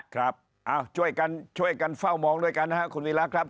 ครับช่วยกันเฝ้ามองด้วยกันนะครับคุณวีระครับ